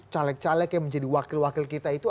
caleg caleg yang menjadi wakil wakil kita itu